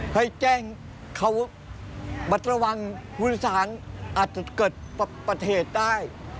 ให้แจ้งเขาบัตรวังวิสานอาจจะเกิดประเทศได้